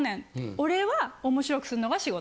俺は面白くすんのが仕事。